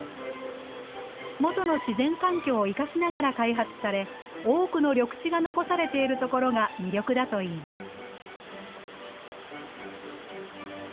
元の自然環境を生かしながら開発され、多くの緑地が残されているところが魅力だといいます。